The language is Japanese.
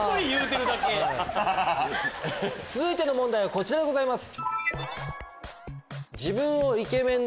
続いての問題はこちらでございます。